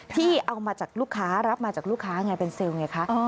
ที่เอามาจากลูกค้ารับมาจากลูกค้าไงเป็นเซลล์ไงคะ